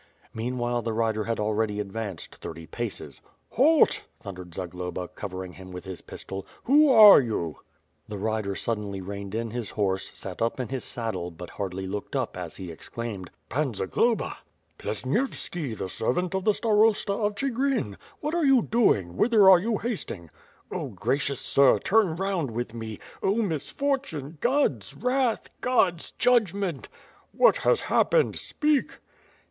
Meanwhile the rider had already advanced thirty paces. "Halt!" thundered Zagloba, covering him with his pistol. "Who are you?" 16 242 WITE FIRE AND SWORD, The rider suddenly reined in his horse, sat up in his saddle, but hardly looked up as he exclaimed: "Pan Zagloba!" "Plesnievski, the servant of the Starosta of Chigrin! What are you doing? Whither are you hasting?" "Oh, gracious sir, turn round with me! Oh! misfortune! God's wrath! God's judgment!" "What has happened? Speak."